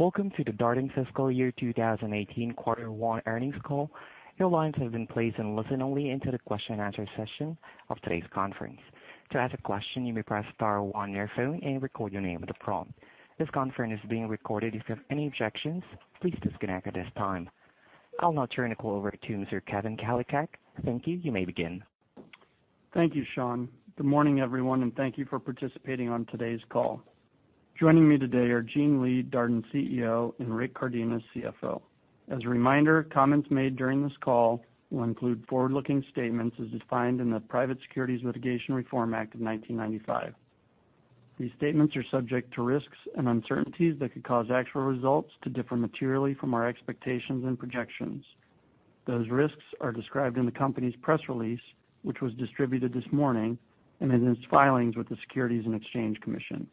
Welcome to the Darden Fiscal Year 2018 Quarter One Earnings Call. Your lines have been placed on listen-only until the question and answer session of today's conference. To ask a question, you may press star one on your phone and record your name at the prompt. This conference is being recorded. If you have any objections, please disconnect at this time. I'll now turn the call over to Mr. Kevin Kalicak. Thank you. You may begin. Thank you, Shawn. Good morning, everyone, and thank you for participating on today's call. Joining me today are Gene Lee, Darden CEO, and Rick Cardenas, CFO. As a reminder, comments made during this call will include forward-looking statements as defined in the Private Securities Litigation Reform Act of 1995. These statements are subject to risks and uncertainties that could cause actual results to differ materially from our expectations and projections. Those risks are described in the company's press release, which was distributed this morning and in its filings with the Securities and Exchange Commission.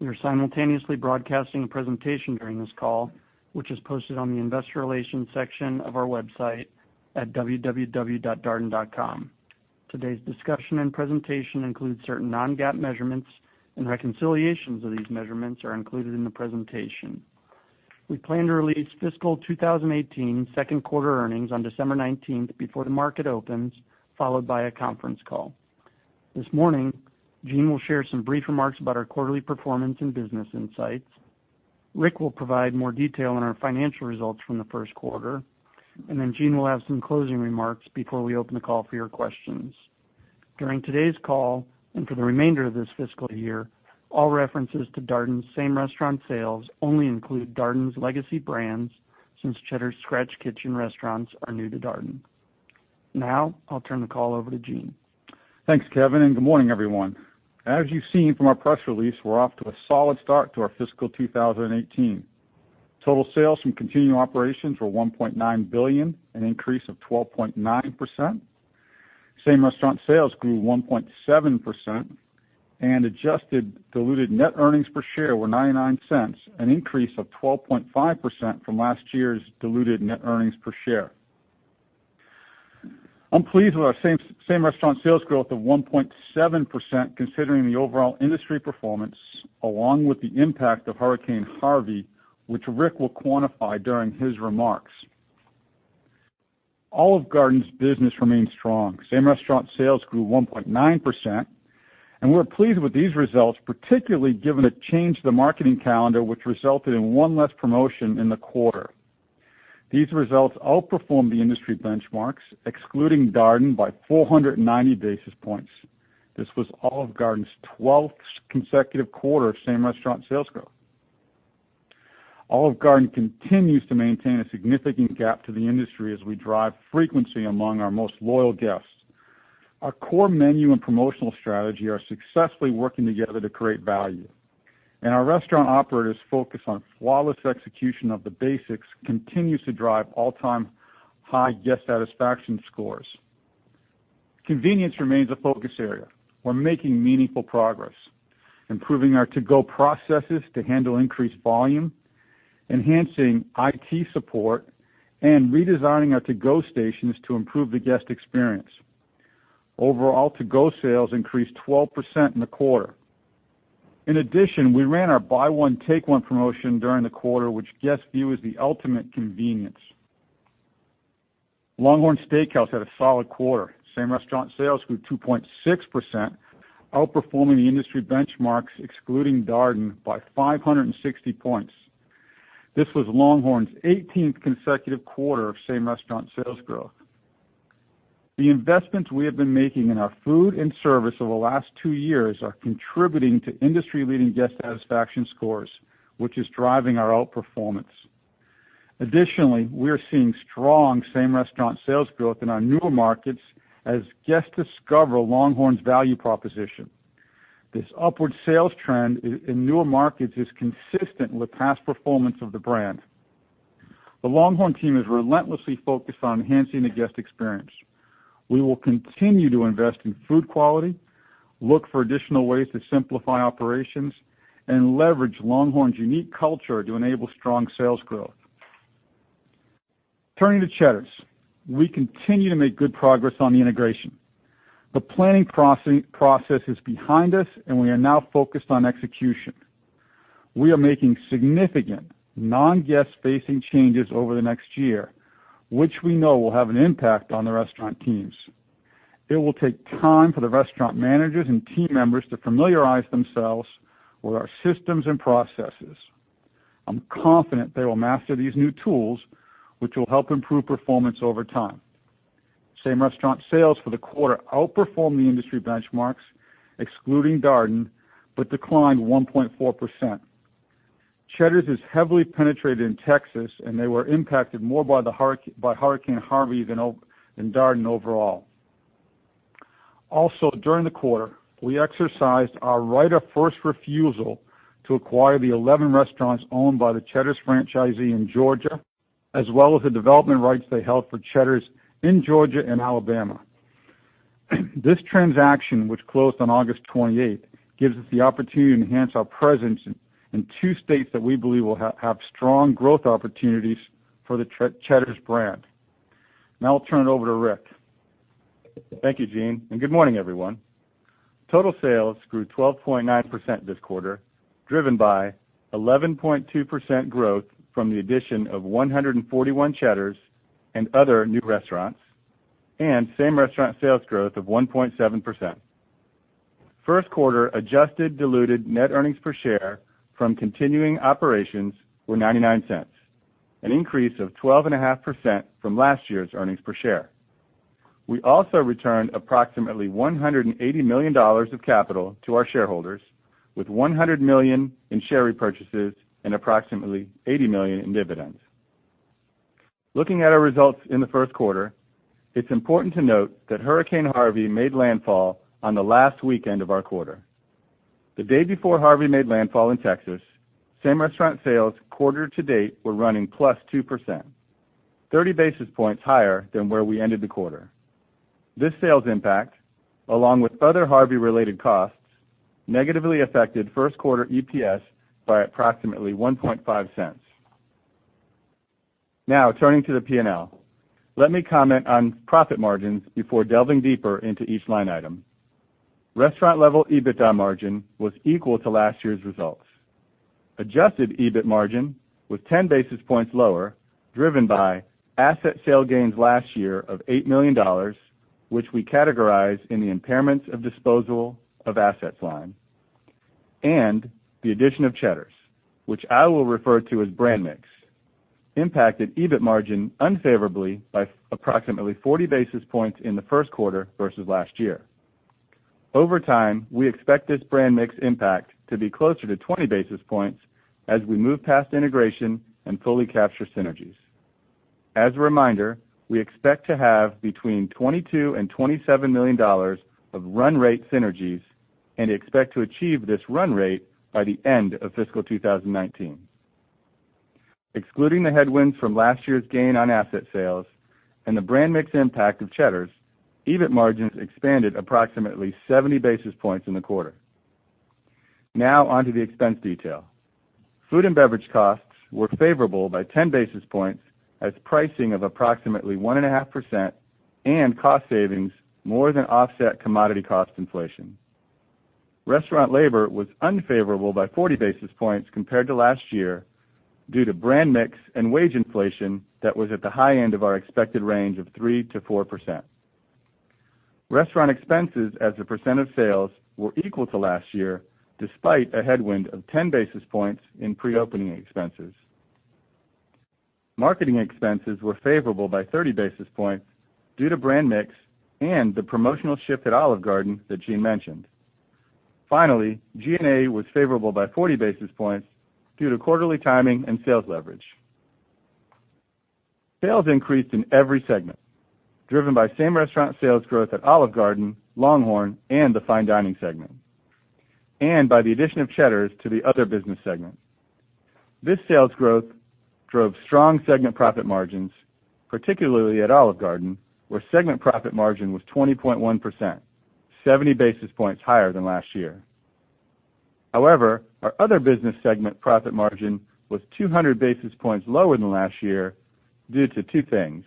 We are simultaneously broadcasting a presentation during this call, which is posted on the investor relations section of our website at www.darden.com. Today's discussion and presentation includes certain non-GAAP measurements and reconciliations of these measurements are included in the presentation. We plan to release fiscal 2018 second quarter earnings on December 19th before the market opens, followed by a conference call. This morning, Gene will share some brief remarks about our quarterly performance and business insights. Rick will provide more detail on our financial results from the first quarter, and then Gene will have some closing remarks before we open the call for your questions. During today's call and for the remainder of this fiscal year, all references to Darden's same restaurant sales only include Darden's legacy brands, since Cheddar's Scratch Kitchen restaurants are new to Darden. Now, I'll turn the call over to Gene. Thanks, Kevin, and good morning, everyone. As you've seen from our press release, we're off to a solid start to our fiscal 2018. Total sales from continuing operations were $1.9 billion, an increase of 12.9%. Same restaurant sales grew 1.7%, and adjusted diluted net earnings per share were $0.99, an increase of 12.5% from last year's diluted net earnings per share. I'm pleased with our same restaurant sales growth of 1.7% considering the overall industry performance along with the impact of Hurricane Harvey, which Rick will quantify during his remarks. Olive Garden's business remains strong. Same restaurant sales grew 1.9%, and we're pleased with these results, particularly given a change to the marketing calendar which resulted in one less promotion in the quarter. These results outperformed the industry benchmarks, excluding Darden by 490 basis points. This was Olive Garden's 12th consecutive quarter of same restaurant sales growth. Olive Garden continues to maintain a significant gap to the industry as we drive frequency among our most loyal guests. Our core menu and promotional strategy are successfully working together to create value, and our restaurant operators' focus on flawless execution of the basics continues to drive all-time high guest satisfaction scores. Convenience remains a focus area. We're making meaningful progress, improving our to-go processes to handle increased volume, enhancing IT support, and redesigning our to-go stations to improve the guest experience. Overall, to-go sales increased 12% in the quarter. In addition, we ran our Buy One, Take One promotion during the quarter, which guests view as the ultimate convenience. LongHorn Steakhouse had a solid quarter. Same restaurant sales grew 2.6%, outperforming the industry benchmarks, excluding Darden by 560 points. This was LongHorn's 18th consecutive quarter of same restaurant sales growth. The investments we have been making in our food and service over the last two years are contributing to industry-leading guest satisfaction scores, which is driving our outperformance. Additionally, we are seeing strong same restaurant sales growth in our newer markets as guests discover LongHorn's value proposition. This upward sales trend in newer markets is consistent with past performance of the brand. The LongHorn team is relentlessly focused on enhancing the guest experience. We will continue to invest in food quality, look for additional ways to simplify operations, and leverage LongHorn's unique culture to enable strong sales growth. Turning to Cheddar's, we continue to make good progress on the integration. The planning process is behind us, and we are now focused on execution. We are making significant non-guest-facing changes over the next year, which we know will have an impact on the restaurant teams. It will take time for the restaurant managers and team members to familiarize themselves with our systems and processes. I'm confident they will master these new tools, which will help improve performance over time. Same restaurant sales for the quarter outperformed the industry benchmarks, excluding Darden, but declined 1.4%. Cheddar's is heavily penetrated in Texas, and they were impacted more by Hurricane Harvey than Darden overall. Also, during the quarter, we exercised our right of first refusal to acquire the 11 restaurants owned by the Cheddar's franchisee in Georgia, as well as the development rights they held for Cheddar's in Georgia and Alabama. This transaction, which closed on August 28th, gives us the opportunity to enhance our presence in two states that we believe will have strong growth opportunities for the Cheddar's brand. Now I'll turn it over to Rick. Thank you, Gene, and good morning, everyone. Total sales grew 12.9% this quarter, driven by 11.2% growth from the addition of 141 Cheddar's and other new restaurants, and same-restaurant sales growth of 1.7%. First quarter adjusted diluted net earnings per share from continuing operations were $0.99, an increase of 12.5% from last year's earnings per share. We also returned approximately $180 million of capital to our shareholders, with $100 million in share repurchases and approximately $80 million in dividends. Looking at our results in the first quarter, it's important to note that Hurricane Harvey made landfall on the last weekend of our quarter. The day before Harvey made landfall in Texas, same-restaurant sales quarter to date were running plus 2%, 30 basis points higher than where we ended the quarter. This sales impact, along with other Harvey-related costs, negatively affected first quarter EPS by approximately $0.015. Turning to the P&L. Let me comment on profit margins before delving deeper into each line item. Restaurant-level EBITDA margin was equal to last year's results. Adjusted EBIT margin was 10 basis points lower, driven by asset sale gains last year of $8 million, which we categorize in the impairments of disposal of assets line, and the addition of Cheddar's, which I will refer to as brand mix, impacted EBIT margin unfavorably by approximately 40 basis points in the first quarter versus last year. Over time, we expect this brand mix impact to be closer to 20 basis points as we move past integration and fully capture synergies. As a reminder, we expect to have between $22 million and $27 million of run rate synergies and expect to achieve this run rate by the end of fiscal 2019. Excluding the headwinds from last year's gain on asset sales and the brand mix impact of Cheddar's, EBIT margins expanded approximately 70 basis points in the quarter. On to the expense detail. Food and beverage costs were favorable by 10 basis points as pricing of approximately 1.5% and cost savings more than offset commodity cost inflation. Restaurant labor was unfavorable by 40 basis points compared to last year due to brand mix and wage inflation that was at the high end of our expected range of 3%-4%. Restaurant expenses as a percent of sales were equal to last year, despite a headwind of 10 basis points in pre-opening expenses. Marketing expenses were favorable by 30 basis points due to brand mix and the promotional shift at Olive Garden that Gene mentioned. G&A was favorable by 40 basis points due to quarterly timing and sales leverage. Sales increased in every segment, driven by same-restaurant sales growth at Olive Garden, LongHorn, and the fine dining segment, and by the addition of Cheddar's to the other business segment. This sales growth drove strong segment profit margins, particularly at Olive Garden, where segment profit margin was 20.1%, 70 basis points higher than last year. Our other business segment profit margin was 200 basis points lower than last year due to two things: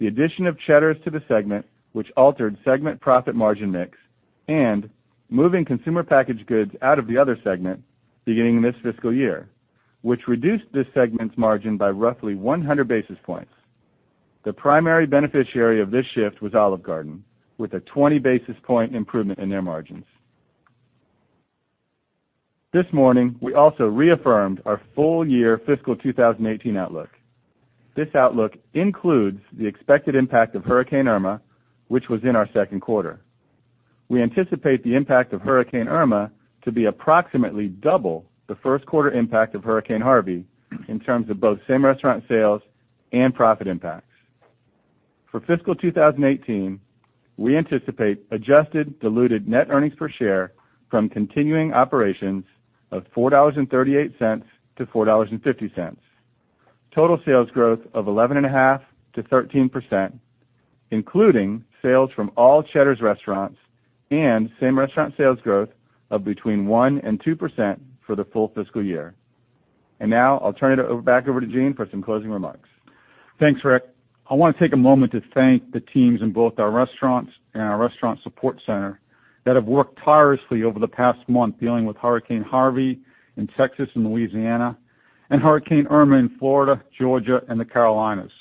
The addition of Cheddar's to the segment, which altered segment profit margin mix, and moving consumer packaged goods out of the other segment beginning this fiscal year, which reduced this segment's margin by roughly 100 basis points. The primary beneficiary of this shift was Olive Garden, with a 20 basis point improvement in their margins. This morning, we also reaffirmed our full year fiscal 2018 outlook. This outlook includes the expected impact of Hurricane Irma, which was in our second quarter. We anticipate the impact of Hurricane Irma to be approximately double the first quarter impact of Hurricane Harvey in terms of both same-restaurant sales and profit impacts. For fiscal 2018, we anticipate adjusted diluted net earnings per share from continuing operations of $4.38 to $4.50. Total sales growth of 11.5%-13%, including sales from all Cheddar's restaurants and same-restaurant sales growth of between 1% and 2% for the full fiscal year. I'll turn it back over to Gene for some closing remarks. Thanks, Rick. I want to take a moment to thank the teams in both our restaurants and our restaurant support center that have worked tirelessly over the past month dealing with Hurricane Harvey in Texas and Louisiana, and Hurricane Irma in Florida, Georgia, and the Carolinas.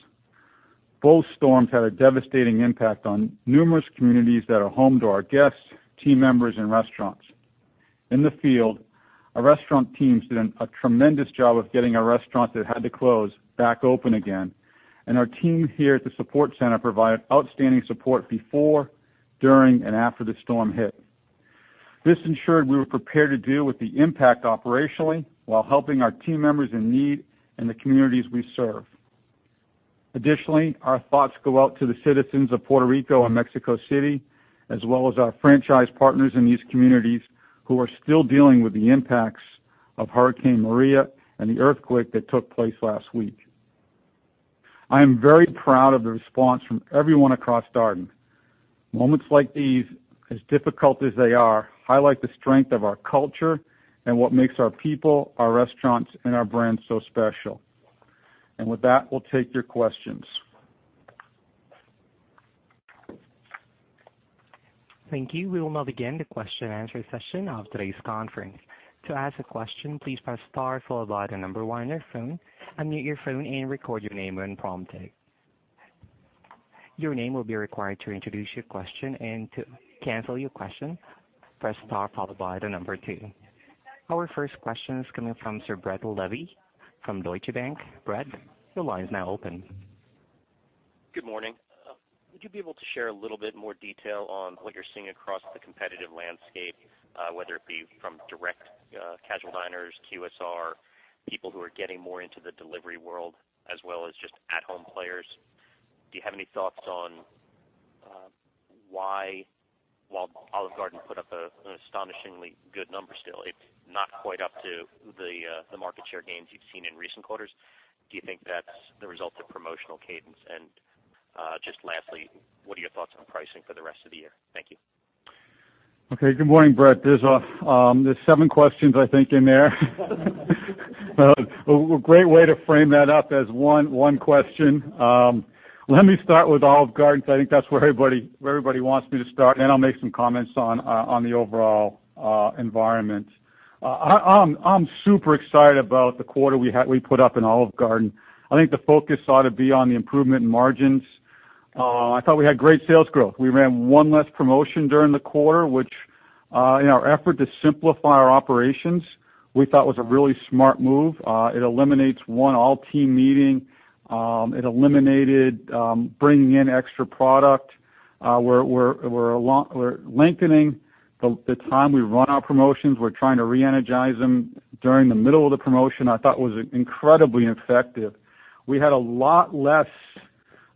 Both storms had a devastating impact on numerous communities that are home to our guests, team members, and restaurants. In the field, our restaurant teams did a tremendous job of getting our restaurants that had to close back open again, and our team here at the support center provided outstanding support before, during, and after the storm hit. This ensured we were prepared to deal with the impact operationally while helping our team members in need and the communities we serve. Additionally, our thoughts go out to the citizens of Puerto Rico and Mexico City, as well as our franchise partners in these communities who are still dealing with the impacts of Hurricane Maria and the earthquake that took place last week. I am very proud of the response from everyone across Darden. Moments like these, as difficult as they are, highlight the strength of our culture and what makes our people, our restaurants, and our brands so special. With that, we'll take your questions. Thank you. We will now begin the question and answer session of today's conference. To ask a question, please press star followed by the number one on your phone, unmute your phone and record your name when prompted. Your name will be required to introduce your question, to cancel your question, press star followed by the number two. Our first question is coming from Brett Levy from Deutsche Bank. Brett, your line is now open. Good morning. Would you be able to share a little bit more detail on what you're seeing across the competitive landscape, whether it be from direct casual diners, QSR, people who are getting more into the delivery world, as well as just at-home players? Do you have any thoughts on why, while Olive Garden put up an astonishingly good number still, it's not quite up to the market share gains you've seen in recent quarters? Do you think that's the result of promotional cadence? Just lastly, what are your thoughts on pricing for the rest of the year? Thank you. Okay. Good morning, Brett. There's seven questions I think in there. A great way to frame that up as one question. Let me start with Olive Garden because I think that's where everybody wants me to start. Then I'll make some comments on the overall environment. I'm super excited about the quarter we put up in Olive Garden. I think the focus ought to be on the improvement in margins. I thought we had great sales growth. We ran one less promotion during the quarter, which in our effort to simplify our operations, we thought was a really smart move. It eliminates one all-team meeting. It eliminated bringing in extra product. We're lengthening the time we run our promotions. We're trying to reenergize them during the middle of the promotion. I thought it was incredibly effective. We had a lot less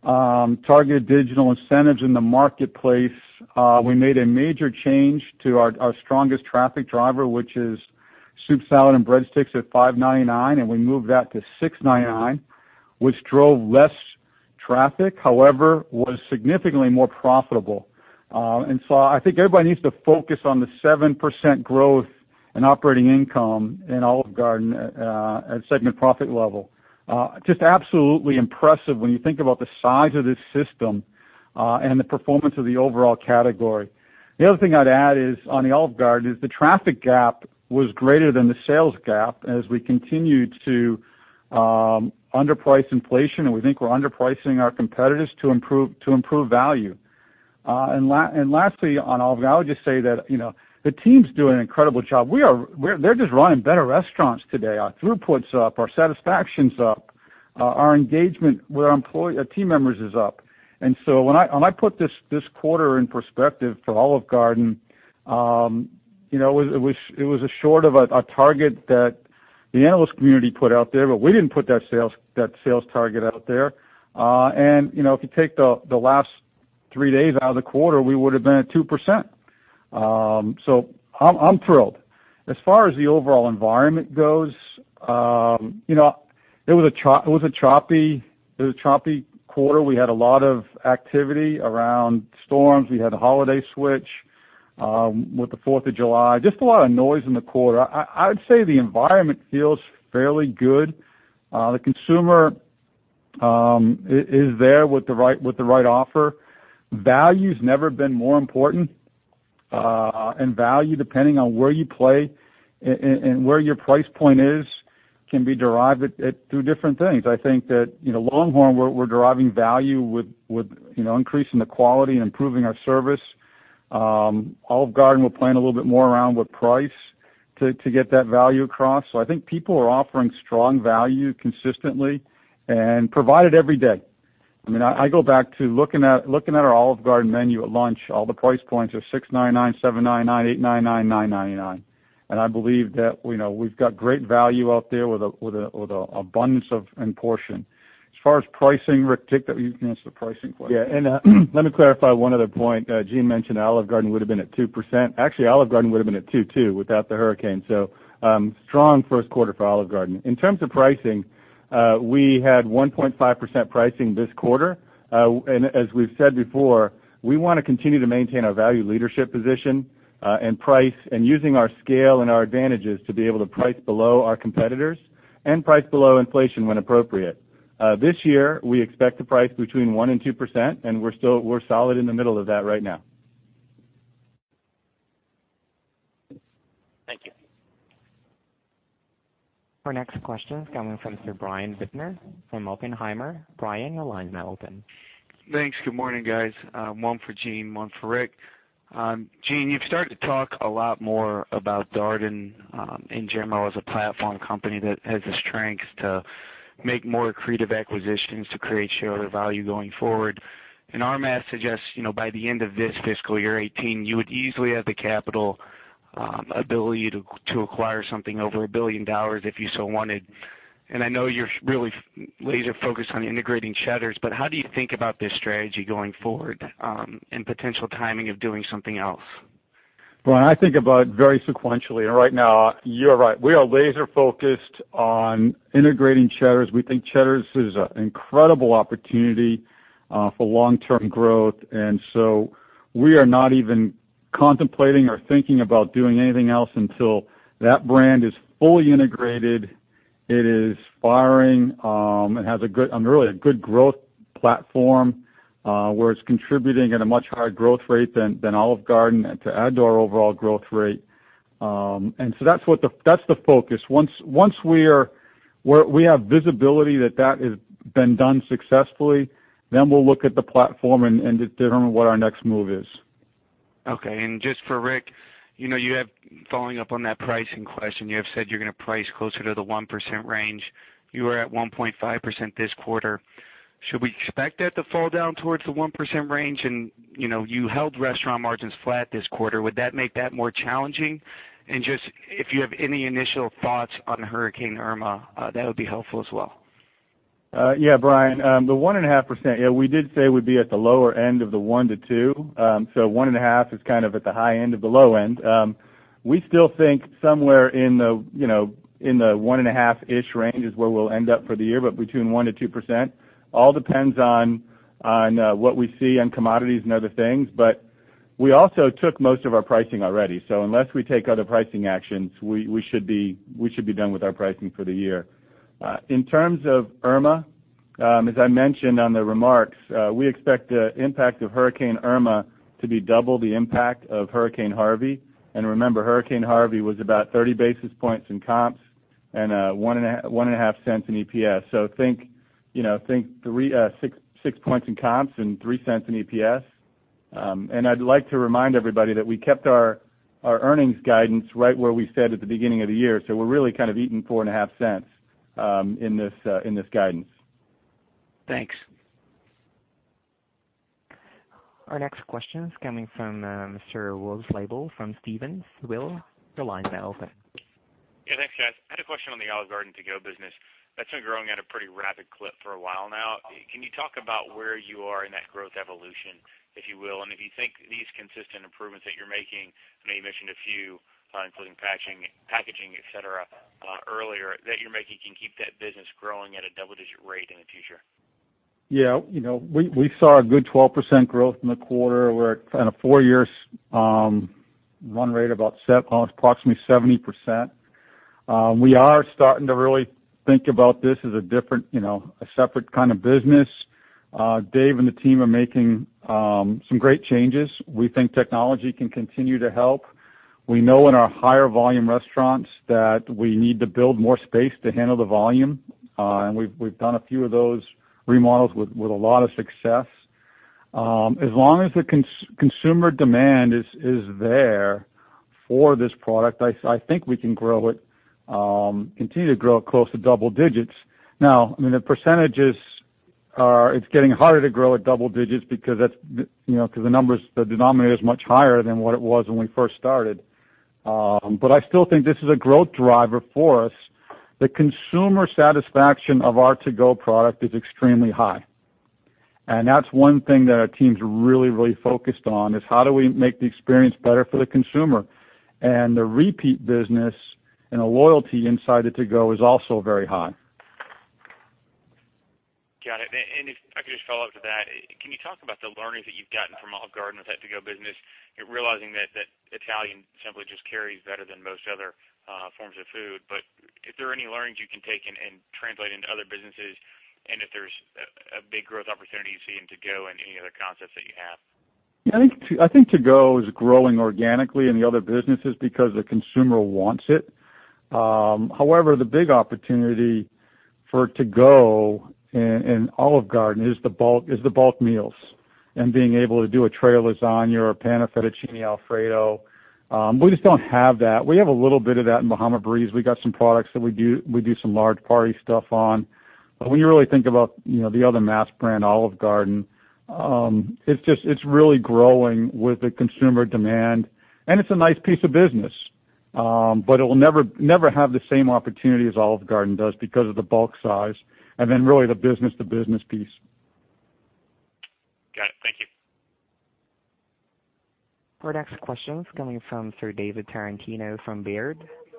Targeted Digital Incentives in the marketplace. We made a major change to our strongest traffic driver, which is soup, salad, and breadsticks at $5.99. We moved that to $6.99, which drove less traffic, however, was significantly more profitable. I think everybody needs to focus on the 7% growth in operating income in Olive Garden at segment profit level. Just absolutely impressive when you think about the size of this system. The performance of the overall category. The other thing I'd add is on the Olive Garden is the traffic gap was greater than the sales gap as we continued to underprice inflation. We think we're underpricing our competitors to improve value. Lastly, on Olive Garden, I would just say that the team's doing an incredible job. They're just running better restaurants today. Our throughput's up, our satisfaction's up, our engagement with our team members is up. When I put this quarter in perspective for Olive Garden, it was a short of a target that the analyst community put out there. We didn't put that sales target out there. If you take the last three days out of the quarter, we would have been at 2%. I'm thrilled. As far as the overall environment goes, it was a choppy quarter. We had a lot of activity around storms. We had a holiday switch with the Fourth of July. Just a lot of noise in the quarter. I'd say the environment feels fairly good. The consumer is there with the right offer. Value's never been more important. Value, depending on where you play and where your price point is, can be derived at two different things. I think that LongHorn, we're deriving value with increasing the quality and improving our service. Olive Garden, we're playing a little bit more around with price to get that value across. I think people are offering strong value consistently and provide it every day. I go back to looking at our Olive Garden menu at lunch. All the price points are $6.99, $7.99, $8.99, $9.99. I believe that we've got great value out there with an abundance and portion. As far as pricing, Rick, take the pricing point. Let me clarify one other point. Gene mentioned Olive Garden would have been at 2%. Actually, Olive Garden would have been at 2.2% without the Hurricane. Strong first quarter for Olive Garden. In terms of pricing, we had 1.5% pricing this quarter. As we've said before, we want to continue to maintain our value leadership position, using our scale and our advantages to be able to price below our competitors and price below inflation when appropriate. This year, we expect to price between 1% and 2%, and we're solid in the middle of that right now. Thank you. Our next question is coming from Sir Brian Bittner from Oppenheimer. Brian, your line's now open. Thanks. Good morning, guys. One for Gene, one for Rick. Gene, you've started to talk a lot more about Darden in general as a platform company that has the strengths to make more accretive acquisitions to create shareholder value going forward. Our math suggests by the end of this fiscal year 2018, you would easily have the capital ability to acquire something over $1 billion if you so wanted. I know you're really laser focused on integrating Cheddar's, but how do you think about this strategy going forward, and potential timing of doing something else? Brian, I think about very sequentially. Right now, you're right. We are laser-focused on integrating Cheddar's. We think Cheddar's is an incredible opportunity for long-term growth. We are not even contemplating or thinking about doing anything else until that brand is fully integrated, it is firing, and has a really good growth platform, where it's contributing at a much higher growth rate than Olive Garden and to add to our overall growth rate. That's the focus. Once we have visibility that has been done successfully, we'll look at the platform and determine what our next move is. Okay. Just for Rick, following up on that pricing question, you have said you're going to price closer to the 1% range. You were at 1.5% this quarter. Should we expect that to fall down towards the 1% range? You held restaurant margins flat this quarter. Would that make that more challenging? Just if you have any initial thoughts on Hurricane Irma, that would be helpful as well. Yeah, Brian. The 1.5%, yeah, we did say we'd be at the lower end of the 1% to 2%. 1.5% is kind of at the high end of the low end. We still think somewhere in the 1.5%-ish range is where we'll end up for the year, but between 1% to 2%. All depends on what we see on commodities and other things. We also took most of our pricing already. Unless we take other pricing actions, we should be done with our pricing for the year. In terms of Irma, as I mentioned on the remarks, we expect the impact of Hurricane Irma to be double the impact of Hurricane Harvey. Remember, Hurricane Harvey was about 30 basis points in comps and $0.015 in EPS. Think six points in comps and $0.03 in EPS. I'd like to remind everybody that we kept our earnings guidance right where we said at the beginning of the year. We're really kind of eating $0.045 in this guidance. Thanks. Our next question is coming from Mr. Will Slabaugh from Stephens. Will, your line is now open. Yeah. Thanks, guys. I had a question on the Olive Garden To Go business. That's been growing at a pretty rapid clip for a while now. Can you talk about where you are in that growth evolution, if you will? If you think these consistent improvements that you're making, I know you mentioned a few including packaging, et cetera, earlier, that you're making can keep that business growing at a double-digit rate in the future. Yeah. We saw a good 12% growth in the quarter. We're at a four-year run rate of approximately 70%. We are starting to really think about this as a separate kind of business. Dave and the team are making some great changes. We think technology can continue to help. We know in our higher volume restaurants that we need to build more space to handle the volume. We've done a few of those remodels with a lot of success. As long as the consumer demand is there for this product, I think we can continue to grow close to double digits. Now, it's getting harder to grow at double digits because the denominator is much higher than what it was when we first started. I still think this is a growth driver for us. The consumer satisfaction of our To Go product is extremely high, and that's one thing that our team's really focused on, is how do we make the experience better for the consumer? The repeat business and the loyalty inside the To Go is also very high. Got it. If I could just follow up to that, can you talk about the learnings that you've gotten from Olive Garden with that To Go business, realizing that Italian simply just carries better than most other forms of food. Is there any learnings you can take and translate into other businesses? If there's a big growth opportunity you see in To Go in any other concepts that you have? Yeah. I think To Go is growing organically in the other businesses because the consumer wants it. However, the big opportunity for To Go in Olive Garden is the bulk meals and being able to do a tray lasagna or a pan of fettuccine Alfredo. We just don't have that. We have a little bit of that in Bahama Breeze. We got some products that we do some large party stuff on. When you really think about the other mass brand, Olive Garden, it's really growing with the consumer demand, and it's a nice piece of business. It will never have the same opportunity as Olive Garden does because of the bulk size, and then really the business-to-business piece. Got it. Thank you. Our next question is coming from Sir David Tarantino from Baird.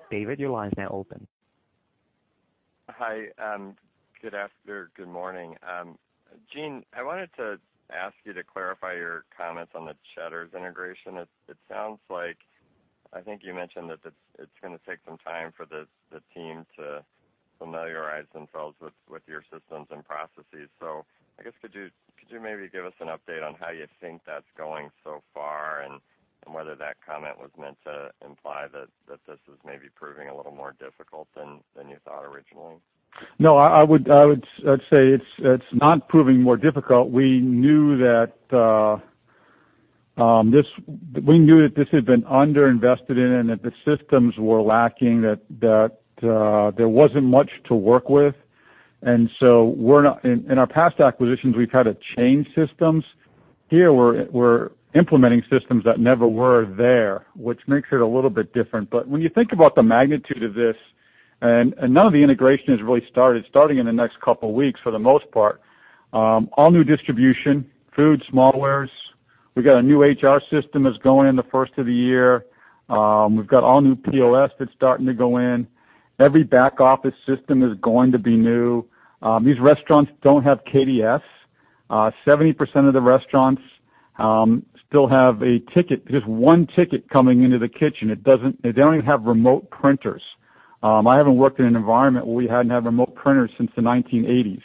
David, your line is now open. Hi. Good morning. Gene, I wanted to ask you to clarify your comments on the Cheddar's integration. It sounds like, I think you mentioned that it's going to take some time for the team to familiarize themselves with your systems and processes. I guess could you maybe give us an update on how you think that's going so far, and whether that comment was meant to imply that this is maybe proving a little more difficult than you thought originally? No, I would say it's not proving more difficult. We knew that this had been under-invested in and that the systems were lacking, that there wasn't much to work with. In our past acquisitions, we've had to change systems. Here, we're implementing systems that never were there, which makes it a little bit different. When you think about the magnitude of this. None of the integration has really started. Starting in the next couple of weeks, for the most part. All new distribution, food, smallwares. We got a new HR system that's going in the first of the year. We've got all new POS that's starting to go in. Every back office system is going to be new. These restaurants don't have KDS. 70% of the restaurants still have a ticket, just one ticket coming into the kitchen. They don't even have remote printers. I haven't worked in an environment where we hadn't had remote printers since the 1980s.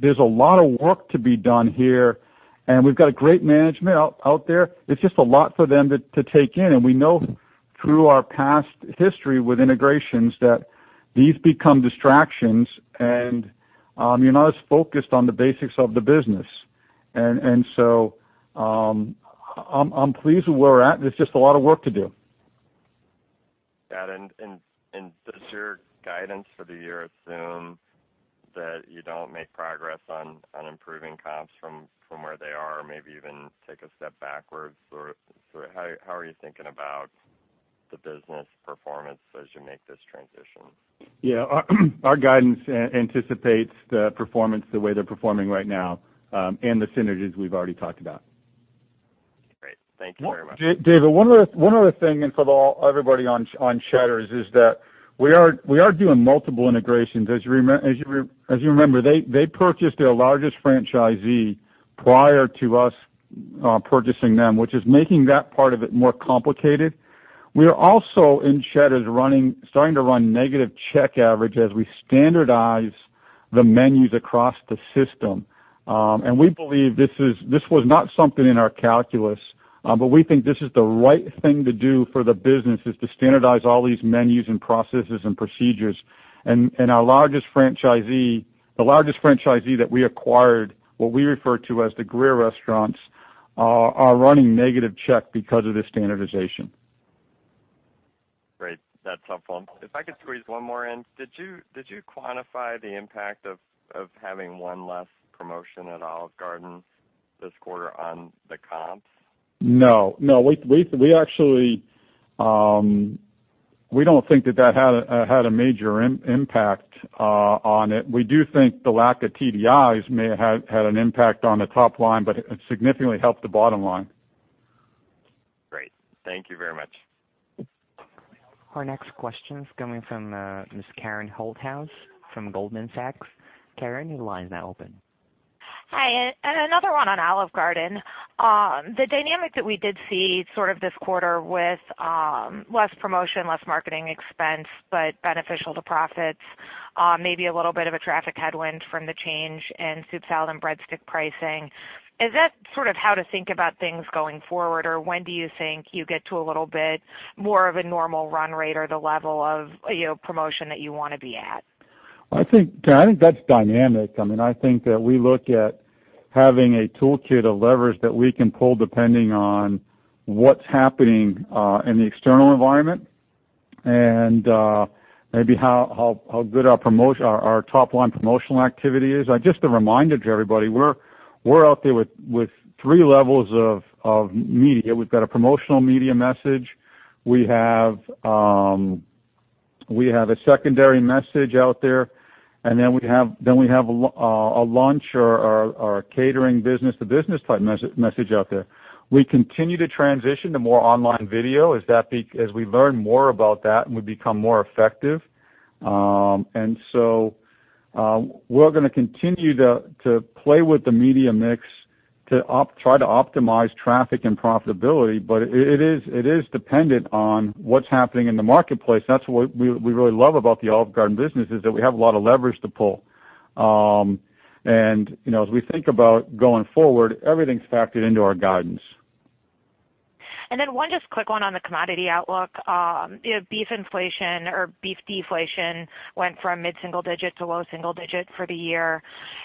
There's a lot of work to be done here, and we've got a great management out there. It's just a lot for them to take in, and we know through our past history with integrations that these become distractions and you're not as focused on the basics of the business. I'm pleased with where we're at. There's just a lot of work to do. Yeah. Does your guidance for the year assume that you don't make progress on improving comps from where they are, or maybe even take a step backwards? How are you thinking about the business performance as you make this transition? Yeah. Our guidance anticipates the performance the way they're performing right now, and the synergies we've already talked about. Great. Thank you very much. David, one other thing, for everybody on Cheddar's, is that we are doing multiple integrations. As you remember, they purchased their largest franchisee prior to us purchasing them, which is making that part of it more complicated. We are also, in Cheddar's, starting to run negative check average as we standardize the menus across the system. We believe this was not something in our calculus, but we think this is the right thing to do for the business, is to standardize all these menus and processes and procedures. Our largest franchisee, the largest franchisee that we acquired, what we refer to as the Greer restaurants, are running negative check because of this standardization. Great. That's helpful. If I could squeeze one more in. Did you quantify the impact of having one less promotion at Olive Garden this quarter on the comps? No, we don't think that had a major impact on it. We do think the lack of TDIs may have had an impact on the top line, but it significantly helped the bottom line. Great. Thank you very much. Our next question is coming from Ms. Karen Holthouse from Goldman Sachs. Karen, your line is now open. Hi, another one on Olive Garden. The dynamic that we did see sort of this quarter with less promotion, less marketing expense, but beneficial to profits, maybe a little bit of a traffic headwind from the change in soup, salad, and breadstick pricing. Is that sort of how to think about things going forward? Or when do you think you get to a little bit more of a normal run rate or the level of promotion that you want to be at? Karen, I think that's dynamic. I think that we look at having a toolkit of levers that we can pull depending on what's happening in the external environment, and maybe how good our top-line promotional activity is. Just a reminder to everybody, we're out there with three levels of media. We've got a promotional media message. We have a secondary message out there, and then we have a launch or a catering business-to-business type message out there. We continue to transition to more online video as we learn more about that and we become more effective. So we're going to continue to play with the media mix to try to optimize traffic and profitability. It is dependent on what's happening in the marketplace. That's what we really love about the Olive Garden business, is that we have a lot of leverage to pull. As we think about going forward, everything's factored into our guidance. One just quick one on the commodity outlook. Beef inflation or beef deflation went from mid-single digit to low single digit for the year.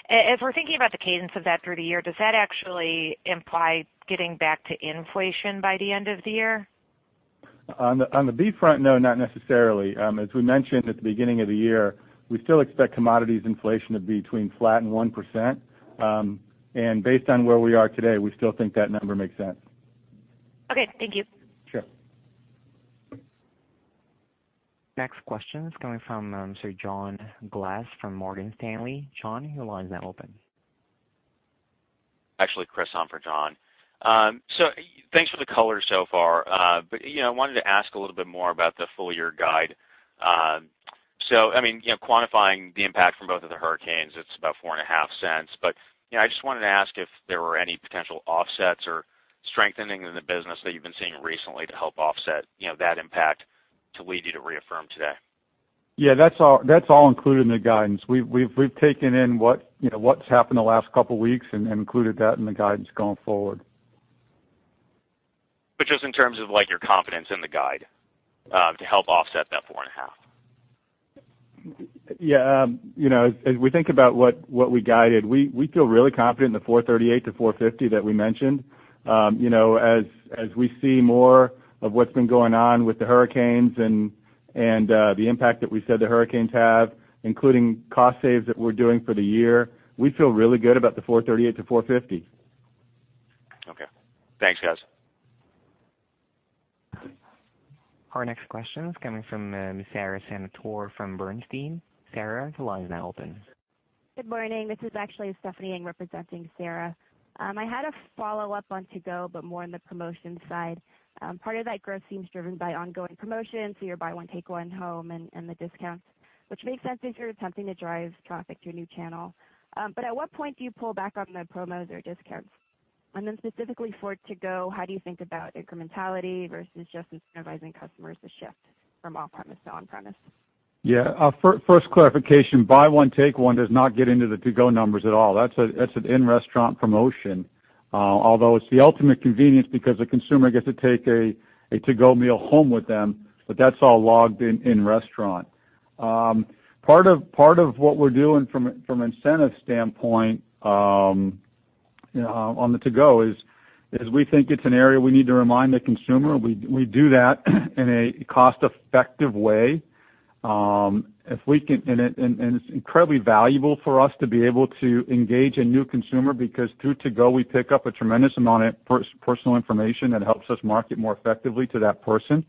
As we're thinking about the cadence of that through the year, does that actually imply getting back to inflation by the end of the year? On the beef front, no, not necessarily. As we mentioned at the beginning of the year, we still expect commodities inflation to be between flat and 1%. Based on where we are today, we still think that number makes sense. Okay. Thank you. Sure. Next question is coming from John Glass from Morgan Stanley. John, your line is now open. Actually, Chris on for John. Thanks for the color so far. I wanted to ask a little bit more about the full-year guide. Quantifying the impact from both of the hurricanes, it's about four and a half cents, but I just wanted to ask if there were any potential offsets or strengthening in the business that you've been seeing recently to help offset that impact to lead you to reaffirm today. Yeah, that's all included in the guidance. We've taken in what's happened the last couple of weeks and included that in the guidance going forward. just in terms of your confidence in the guide to help offset that four and a half. As we think about what we guided, we feel really confident in the $4.38-$4.50 that we mentioned. As we see more of what's been going on with the hurricanes and the impact that we said the hurricanes have, including cost saves that we're doing for the year, we feel really good about the $4.38-$4.50. Okay. Thanks, guys. Our next question is coming from Sara Senatore from Bernstein. Sara, the line is now open. Good morning. This is actually Stephanie Ng representing Sara. I had a follow-up on to-go, but more on the promotions side. Part of that growth seems driven by ongoing promotions, so your Buy One, Take One home and the discounts, which makes sense if you're attempting to drive traffic to your new channel. At what point do you pull back on the promos or discounts? Specifically for to-go, how do you think about incrementality versus just incentivizing customers to shift from off-premise to on-premise? Yeah. First clarification, Buy One, Take One does not get into the to-go numbers at all. That's an in-restaurant promotion, although it's the ultimate convenience because the consumer gets to take a to-go meal home with them, but that's all logged in in-restaurant. Part of what we're doing from incentive standpoint on the to-go is we think it's an area we need to remind the consumer. We do that in a cost-effective way. It's incredibly valuable for us to be able to engage a new consumer, because through to-go, we pick up a tremendous amount of personal information that helps us market more effectively to that person.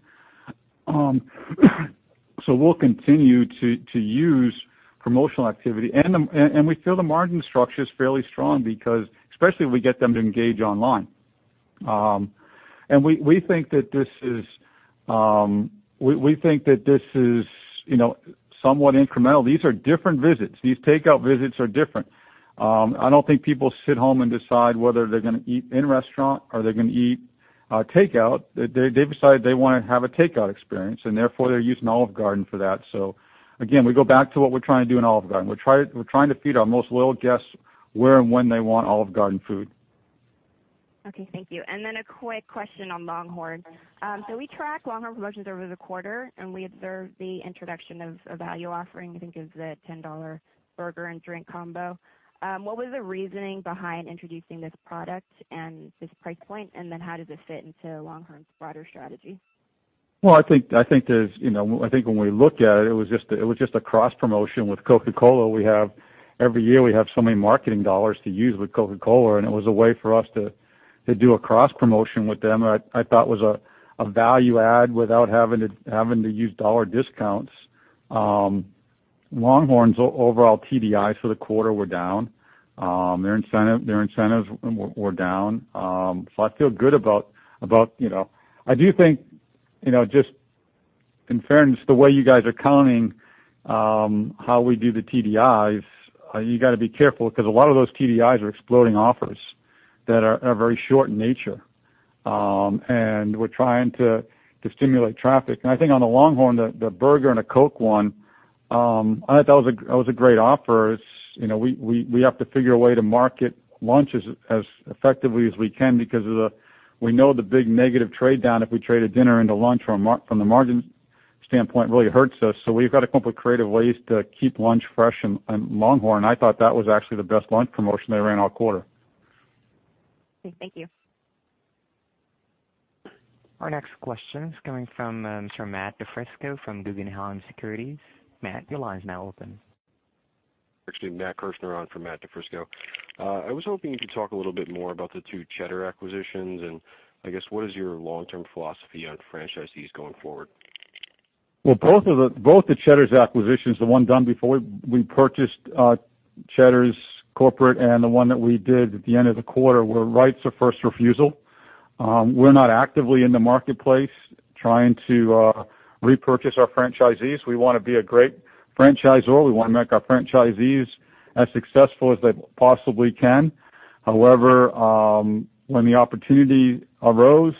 We'll continue to use promotional activity, and we feel the margin structure is fairly strong because, especially if we get them to engage online. We think that this is somewhat incremental. These are different visits. These takeout visits are different. I don't think people sit home and decide whether they're going to eat in-restaurant or they're going to eat takeout. They decide they want to have a takeout experience, and therefore they're using Olive Garden for that. Again, we go back to what we're trying to do in Olive Garden. We're trying to feed our most loyal guests where and when they want Olive Garden food. Okay. Thank you. A quick question on LongHorn. We track LongHorn promotions over the quarter, and we observed the introduction of a value offering, I think it was the $10 burger and drink combo. What was the reasoning behind introducing this product and this price point, how does it fit into LongHorn's broader strategy? Well, I think when we look at it was just a cross-promotion with Coca-Cola. Every year, we have so many marketing dollars to use with Coca-Cola, and it was a way for us to do a cross-promotion with them. I thought it was a value add without having to use dollar discounts. LongHorn's overall TDIs for the quarter were down. Their incentives were down. I feel good about. I do think, just in fairness, the way you guys are counting how we do the TDIs, you got to be careful because a lot of those TDIs are exploding offers that are very short in nature. We're trying to stimulate traffic. I think on the LongHorn, the burger and a Coke one, I thought that was a great offer. We have to figure a way to market lunches as effectively as we can because we know the big negative trade-down if we traded dinner into lunch from the margin standpoint really hurts us. We've got a couple of creative ways to keep lunch fresh in LongHorn. I thought that was actually the best lunch promotion they ran all quarter. Okay. Thank you. Our next question is coming from Matt DiFrisco from Guggenheim Securities. Matt, your line is now open. Actually, Matt Kirschner on for Matt DiFrisco. I was hoping you could talk a little bit more about the two Cheddar's acquisitions. I guess what is your long-term philosophy on franchisees going forward? Well, both the Cheddar's acquisitions, the one done before we purchased Cheddar's corporate and the one that we did at the end of the quarter, were rights of first refusal. We're not actively in the marketplace trying to repurchase our franchisees. We want to be a great franchisor. We want to make our franchisees as successful as they possibly can. However, when the opportunity arose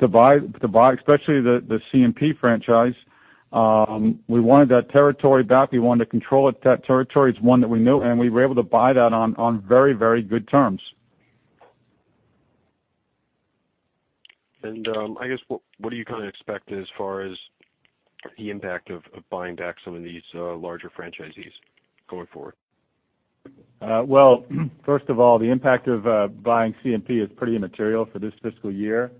to buy, especially the CNP franchise, we wanted that territory back. We wanted to control it. That territory is one that we know, and we were able to buy that on very good terms. I guess, what do you kind of expect as far as the impact of buying back some of these larger franchisees going forward? Well, first of all, the impact of buying CNP is pretty immaterial for this fiscal year.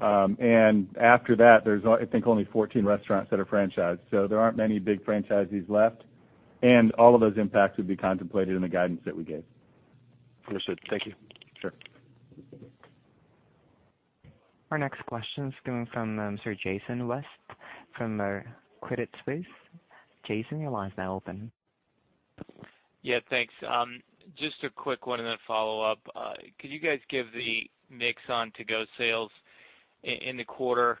After that, there's, I think, only 14 restaurants that are franchised, so there aren't many big franchisees left, and all of those impacts would be contemplated in the guidance that we gave. Understood. Thank you. Sure. Our next question is coming from Jason West from Credit Suisse. Jason, your line is now open. Yeah. Thanks. Just a quick one and then a follow-up. Could you guys give the mix on to-go sales in the quarter?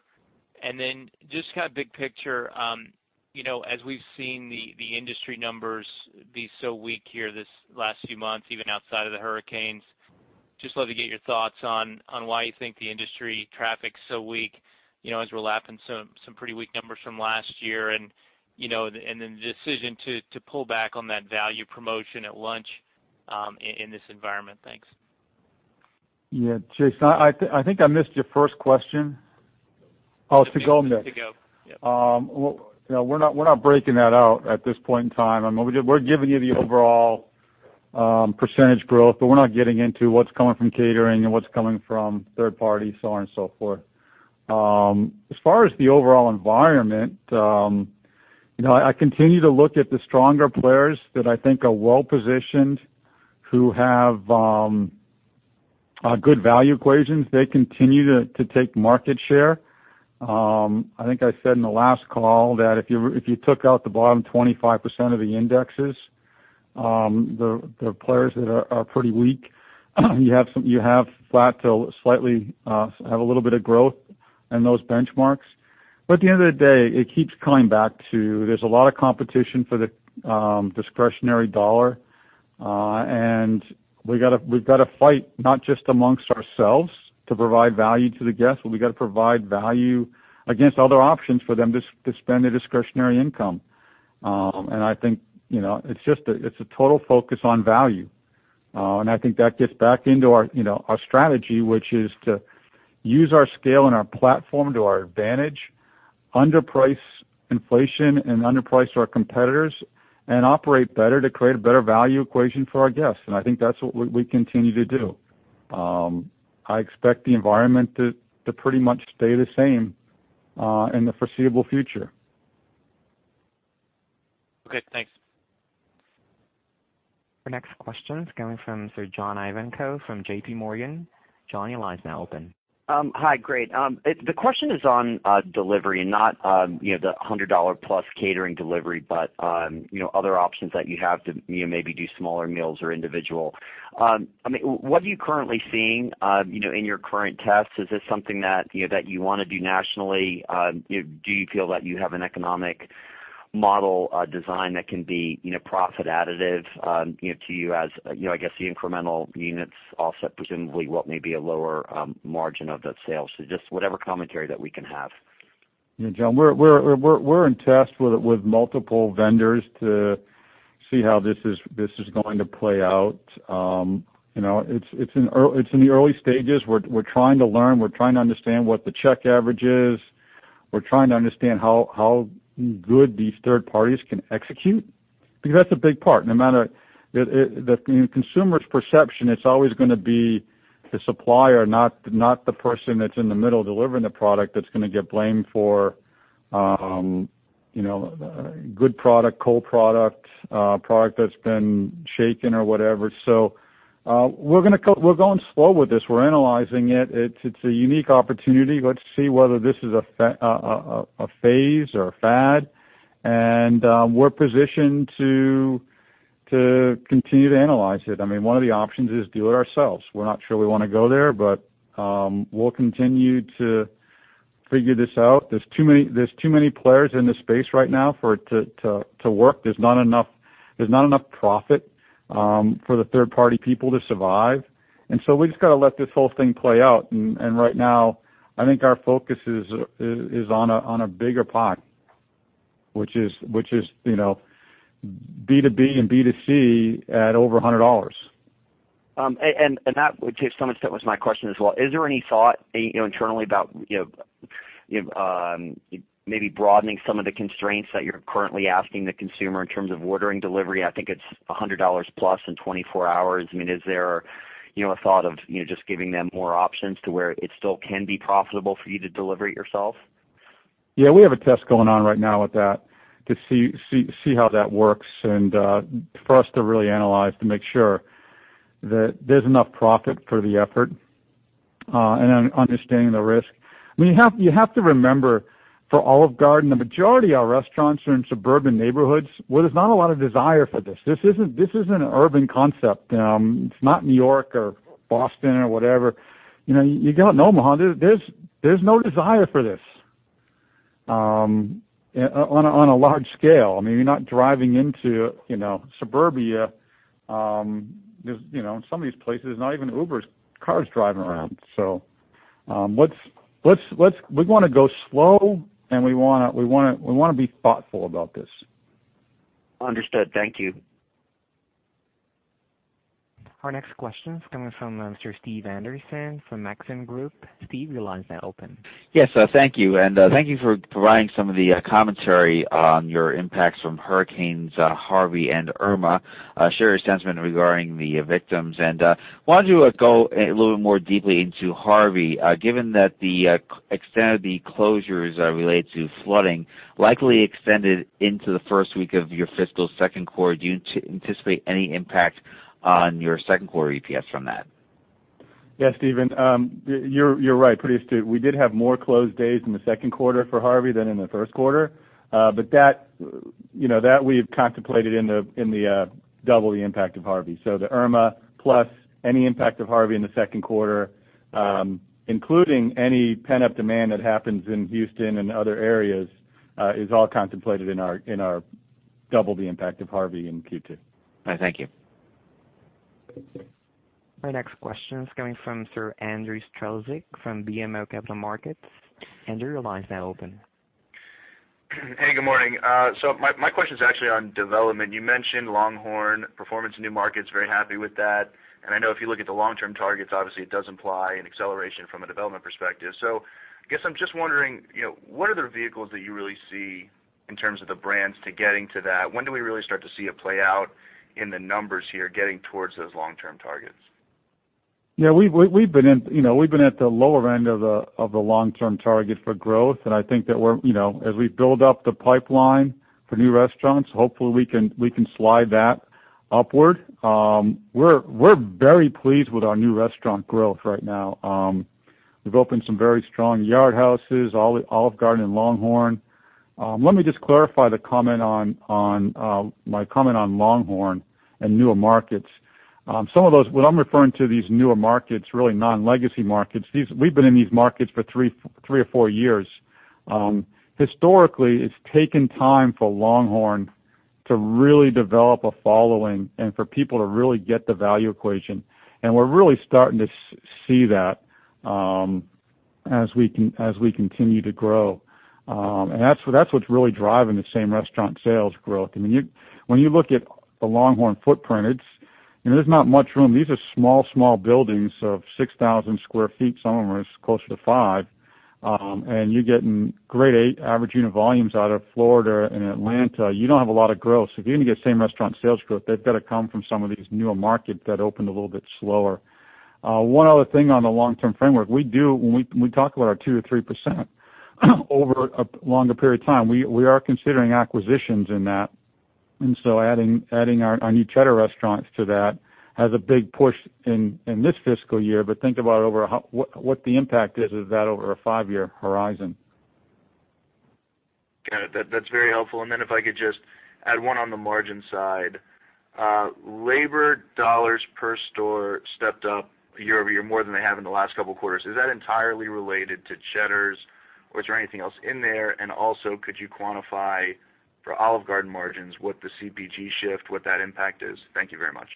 Then just kind of big picture, as we've seen the industry numbers be so weak here these last few months, even outside of the hurricanes, just love to get your thoughts on why you think the industry traffic's so weak, as we're lapping some pretty weak numbers from last year and then the decision to pull back on that value promotion at lunch in this environment. Thanks. Yeah. Jason, I think I missed your first question. Oh, it's to-go mix. To-go. Yep. We're not breaking that out at this point in time. We're giving you the overall percentage growth. We're not getting into what's coming from catering and what's coming from third party, so on and so forth. As far as the overall environment, I continue to look at the stronger players that I think are well-positioned, who have good value equations. They continue to take market share. I think I said in the last call that if you took out the bottom 25% of the indexes, the players that are pretty weak, you have flat to slightly have a little bit of growth in those benchmarks. At the end of the day, it keeps coming back to, there's a lot of competition for the discretionary dollar. We've got to fight not just amongst ourselves to provide value to the guests, but we got to provide value against other options for them to spend their discretionary income. I think, it's a total focus on value. I think that gets back into our strategy, which is to use our scale and our platform to our advantage, underprice inflation and underprice our competitors, and operate better to create a better value equation for our guests. I think that's what we continue to do. I expect the environment to pretty much stay the same in the foreseeable future. Okay, thanks. Our next question is coming from John Ivankoe from J.P. Morgan. John, your line is now open. Hi. Great. The question is on delivery, not the $100-plus catering delivery, but other options that you have to maybe do smaller meals or individual. What are you currently seeing in your current tests? Is this something that you want to do nationally? Do you feel that you have an economic model design that can be profit additive to you as, I guess, the incremental units offset presumably what may be a lower margin of the sale? Just whatever commentary that we can have. Yeah, John, we're in tests with multiple vendors to see how this is going to play out. It's in the early stages. We're trying to learn, we're trying to understand what the check average is. We're trying to understand how good these third parties can execute, because that's a big part. No matter the consumer's perception, it's always going to be the supplier, not the person that's in the middle delivering the product that's going to get blamed for good product, cold product that's been shaken or whatever. We're going slow with this. We're analyzing it. It's a unique opportunity. Let's see whether this is a phase or a fad, and we're positioned to continue to analyze it. One of the options is do it ourselves. We're not sure we want to go there, but we'll continue to figure this out. There's too many players in this space right now for it to work. There's not enough profit for the third-party people to survive. We just got to let this whole thing play out. Right now, I think our focus is on a bigger pot, which is B2B and B2C at over $100. That, to some extent, was my question as well. Is there any thought internally about maybe broadening some of the constraints that you're currently asking the consumer in terms of ordering delivery? I think it's $100-plus in 24 hours. Is there a thought of just giving them more options to where it still can be profitable for you to deliver it yourself? Yeah, we have a test going on right now with that to see how that works, and for us to really analyze to make sure that there's enough profit for the effort, then understanding the risk. You have to remember, for Olive Garden, the majority of our restaurants are in suburban neighborhoods where there's not a lot of desire for this. This isn't an urban concept. It's not New York or Boston or whatever. You got Omaha. There's no desire for this on a large scale. You're not driving into suburbia. In some of these places, there's not even Uber cars driving around. We want to go slow, and we want to be thoughtful about this. Understood. Thank you. Our next question is coming from Mr. Steve Anderson from Maxim Group. Steve, your line is now open. Yes, thank you. Thank you for providing some of the commentary on your impacts from Hurricane Harvey and Hurricane Irma. Share your sentiment regarding the victims. Wanted to go a little bit more deeply into Hurricane Harvey. Given that the extent of the closures related to flooding likely extended into the first week of your fiscal second quarter, do you anticipate any impact on your second quarter EPS from that? Yes, Steve. You're right. Pretty astute. We did have more closed days in the second quarter for Hurricane Harvey than in the first quarter. That we've contemplated in the double the impact of Hurricane Harvey. The Hurricane Irma plus any impact of Hurricane Harvey in the second quarter, including any pent-up demand that happens in Houston and other areas, is all contemplated in our double the impact of Hurricane Harvey in Q2. All right, thank you. Thanks. Our next question is coming from Andrew Strelzik from BMO Capital Markets. Andrew, your line is now open. Hey, good morning. My question is actually on development. You mentioned LongHorn performance in new markets, very happy with that. I know if you look at the long-term targets, obviously, it does imply an acceleration from a development perspective. I guess I'm just wondering, what are the vehicles that you really see in terms of the brands to getting to that? When do we really start to see it play out in the numbers here, getting towards those long-term targets? Yeah, we've been at the lower end of the long-term target for growth, and I think that as we build up the pipeline for new restaurants, hopefully we can slide that upward. We're very pleased with our new restaurant growth right now. We've opened some very strong Yard Houses, Olive Garden, and LongHorn. Let me just clarify my comment on LongHorn and newer markets. Some of those, when I'm referring to these newer markets, really non-legacy markets, we've been in these markets for three or four years. Historically, it's taken time for LongHorn to really develop a following and for people to really get the value equation, and we're really starting to see that as we continue to grow. That's what's really driving the same-restaurant sales growth. When you look at the LongHorn footprint, there's not much room. These are small buildings of 6,000 sq ft. Some of them are closer to five. You're getting grade A average unit volumes out of Florida and Atlanta. You don't have a lot of growth. If you're going to get same-restaurant sales growth, they've got to come from some of these newer markets that opened a little bit slower. One other thing on the long-term framework, when we talk about our 2%-3% over a longer period of time, we are considering acquisitions in that. Adding our new Cheddar restaurants to that has a big push in this fiscal year. Think about what the impact is of that over a five-year horizon. Got it. That's very helpful. If I could just add one on the margin side. Labor dollars per store stepped up year-over-year more than they have in the last couple of quarters. Is that entirely related to Cheddar's or is there anything else in there? Could you quantify for Olive Garden margins, with the CPG shift, what that impact is? Thank you very much.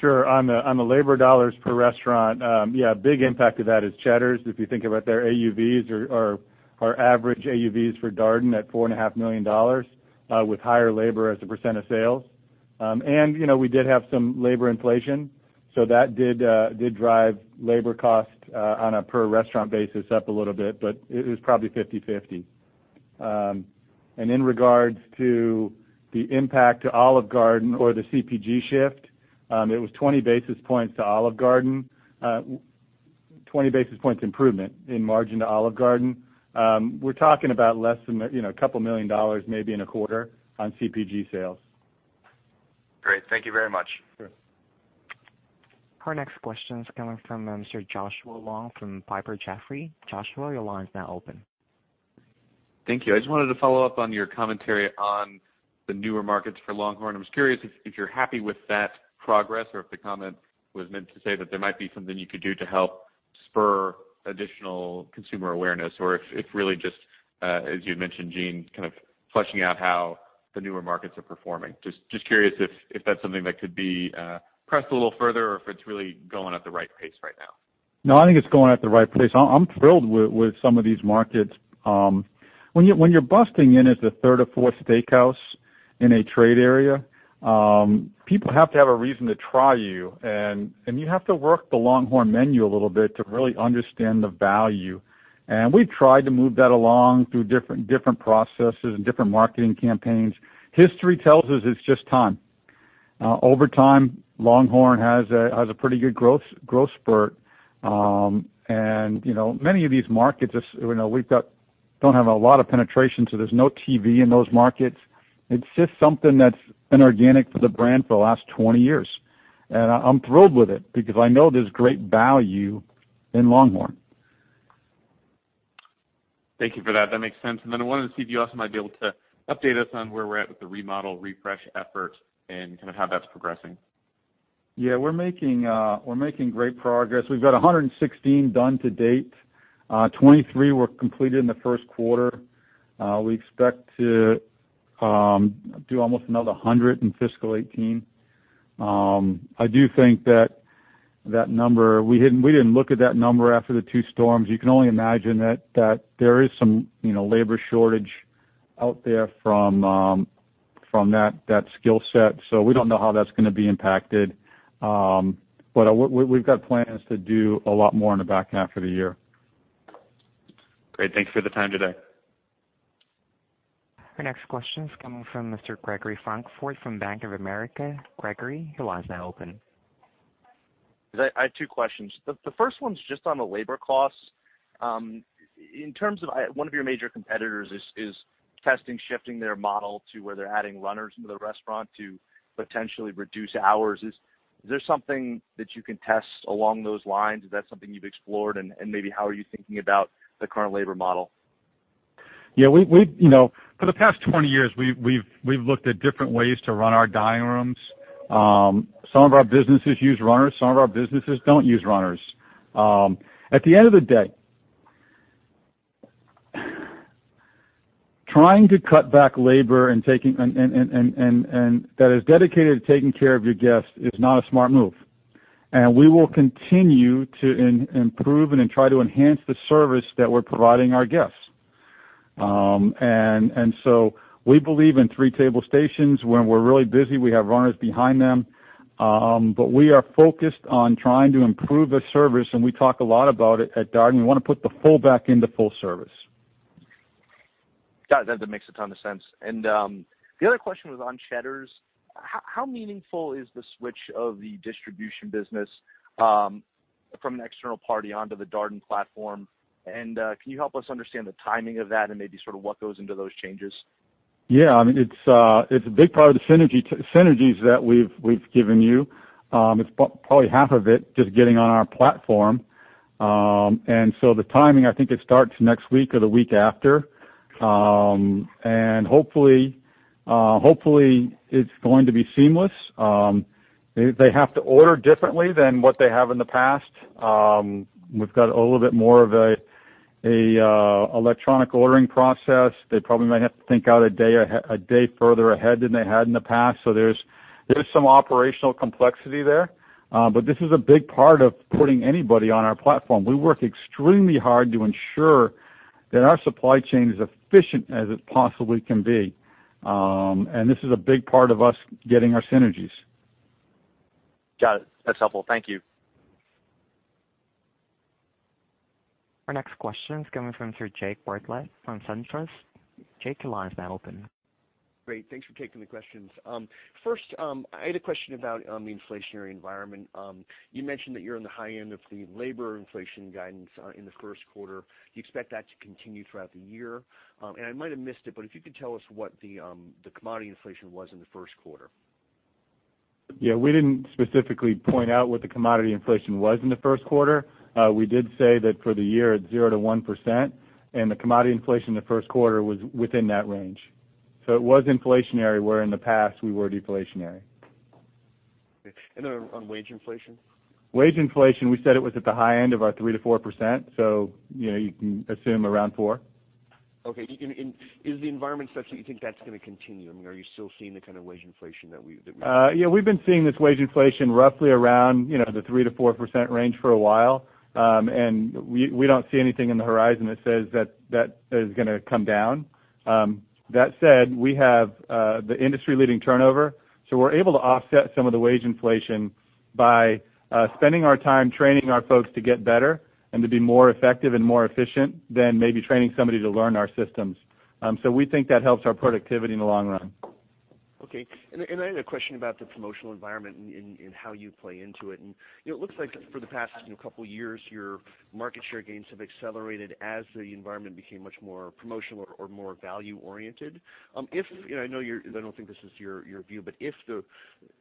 Sure. On the labor dollars per restaurant, yeah, a big impact of that is Cheddar's. If you think about their AUVs or our average AUVs for Darden at $4.5 million, with higher labor as a % of sales. We did have some labor inflation, that did drive labor cost on a per restaurant basis up a little bit, but it was probably 50/50. In regards to the impact to Olive Garden or the CPG shift, it was 20 basis points to Olive Garden, 20 basis points improvement in margin to Olive Garden. We're talking about less than a couple million dollars, maybe in a quarter, on CPG sales. Great. Thank you very much. Sure. Our next question is coming from Mr. Joshua Long from Piper Jaffray. Joshua, your line is now open. Thank you. I just wanted to follow up on your commentary on the newer markets for LongHorn. I was curious if you're happy with that progress or if the comment was meant to say that there might be something you could do to help spur additional consumer awareness, or if really just, as you had mentioned, Gene, kind of fleshing out how the newer markets are performing. Just curious if that's something that could be pressed a little further or if it's really going at the right pace right now. No, I think it's going at the right pace. I'm thrilled with some of these markets. When you're busting in as the third or fourth steakhouse in a trade area, people have to have a reason to try you, and you have to work the LongHorn menu a little bit to really understand the value. We've tried to move that along through different processes and different marketing campaigns. History tells us it's just time. Over time, LongHorn has a pretty good growth spurt. Many of these markets, we don't have a lot of penetration, so there's no TV in those markets. It's just something that's inorganic for the brand for the last 20 years. I'm thrilled with it because I know there's great value in LongHorn. Thank you for that. That makes sense. I wanted to see if you also might be able to update us on where we're at with the remodel refresh effort and kind of how that's progressing. Yeah, we're making great progress. We've got 116 done to date. 23 were completed in the first quarter. We expect to do almost another 100 in fiscal 2018. I do think that that number, we didn't look at that number after the two storms. You can only imagine that there is some labor shortage out there from that skill set. We don't know how that's going to be impacted. We've got plans to do a lot more in the back half of the year. Great. Thank you for the time today. Our next question is coming from Mr. Gregory Francfort from Bank of America. Gregory, your line is now open. I have two questions. The first one's just on the labor costs. In terms of one of your major competitors is testing shifting their model to where they're adding runners into the restaurant to potentially reduce hours. Is there something that you can test along those lines? Is that something you've explored? Maybe how are you thinking about the current labor model? Yeah. For the past 20 years, we've looked at different ways to run our dining rooms. Some of our businesses use runners, some of our businesses don't use runners. At the end of the day, trying to cut back labor that is dedicated to taking care of your guests is not a smart move. We will continue to improve and try to enhance the service that we're providing our guests. We believe in three table stations. When we're really busy, we have runners behind them. We are focused on trying to improve the service, and we talk a lot about it at Darden. We want to put the full back into full service. Got it. That makes a ton of sense. The other question was on Cheddar's. How meaningful is the switch of the distribution business from an external party onto the Darden platform? Can you help us understand the timing of that and maybe sort of what goes into those changes? Yeah. It's a big part of the synergies that we've given you. It's probably half of it just getting on our platform. The timing, I think it starts next week or the week after. Hopefully, it's going to be seamless. They have to order differently than what they have in the past. We've got a little bit more of an electronic ordering process. They probably might have to think out a day further ahead than they had in the past. There's some operational complexity there. This is a big part of putting anybody on our platform. We work extremely hard to ensure that our supply chain is efficient as it possibly can be. This is a big part of us getting our synergies. Got it. That's helpful. Thank you. Our next question is coming from Sir Jake Bartlett from SunTrust. Jake, your line is now open. Great. Thanks for taking the questions. First, I had a question about the inflationary environment. You mentioned that you're on the high end of the labor inflation guidance in the first quarter. Do you expect that to continue throughout the year? I might have missed it, but if you could tell us what the commodity inflation was in the first quarter. Yeah. We didn't specifically point out what the commodity inflation was in the first quarter. We did say that for the year it's 0%-1%, the commodity inflation in the first quarter was within that range. It was inflationary, where in the past we were deflationary. Okay. On wage inflation? Wage inflation, we said it was at the high end of our 3%-4%, you can assume around 4%. Okay. Is the environment such that you think that's going to continue? Are you still seeing the kind of wage inflation? Yeah, we've been seeing this wage inflation roughly around the 3-4% range for a while. We don't see anything in the horizon that says that is going to come down. That said, we have the industry-leading turnover, we're able to offset some of the wage inflation by spending our time training our folks to get better and to be more effective and more efficient than maybe training somebody to learn our systems. We think that helps our productivity in the long run. Okay. I had a question about the promotional environment and how you play into it. It looks like for the past couple of years, your market share gains have accelerated as the environment became much more promotional or more value-oriented. I know I don't think this is your view, but if the